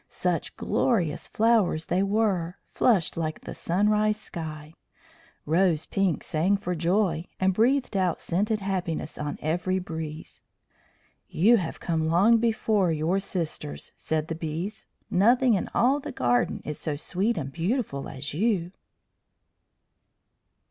Such glorious flowers they were, flushed like the sunrise sky. Rose Pink sang for joy, and breathed out scented happiness on every breeze. "You have come long before your sisters," said the Bees. "Nothing in all the garden is so sweet and beautiful as you."